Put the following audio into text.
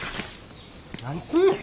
何すんねん。